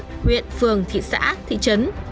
huyện phường thị xã thị trấn